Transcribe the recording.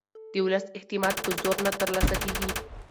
د ولس اعتماد په زور نه ترلاسه کېږي